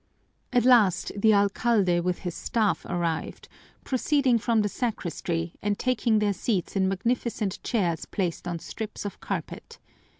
At last the alcalde with his staff arrived, proceeding from the sacristy and taking their seats in magnificent chairs placed on strips of carpet.